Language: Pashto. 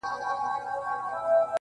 لار سوه ورکه له سپاهیانو غلامانو-